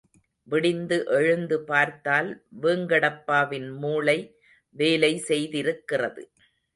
விடிந்து எழுந்து பார்த்தால் வேங்கடப்பாவின் மூளை வேலை செய்திருக்கிறது.